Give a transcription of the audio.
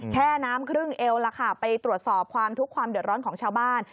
แช่น้ำครึ่งเอวล่ะค่ะไปตรวจสอบความทุกข์ความเดือดร้อนของชาวบ้าน